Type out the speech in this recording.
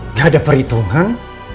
nggak ada perhitungan